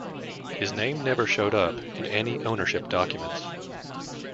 His name never showed up in any ownership documents.